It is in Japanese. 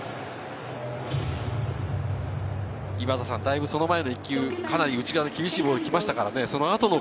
だいぶその前の一球、かなり内側の厳しいボールが来ましたからね。